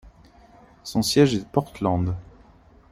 Son siège est Portland.